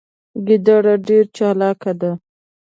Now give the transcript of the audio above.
ګیدړه ډیره چالاکه ده